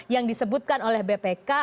yang disebutkan oleh bpk